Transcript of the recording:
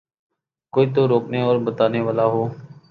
کوئی تو روکنے اور بتانے والا ہو۔